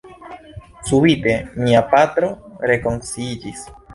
Subite mia patro rekonsciiĝis.